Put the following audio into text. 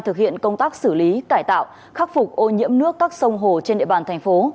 thực hiện công tác xử lý cải tạo khắc phục ô nhiễm nước các sông hồ trên địa bàn thành phố